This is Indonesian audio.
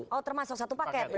oh termasuk satu paket